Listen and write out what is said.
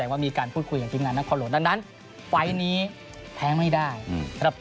ขอบคุณครับ